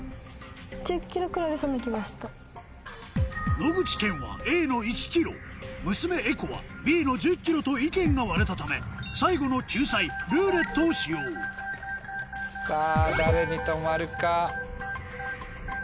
野口健はＡの１ｋｍ娘絵子はＢの１０ｋｍと意見が割れたため最後の救済「ルーレット」を使用さぁ誰に止まるか。